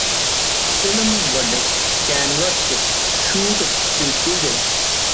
film ਵੱਡੇ canvas ਚ shoot ਕੀਤੀ ਗਈ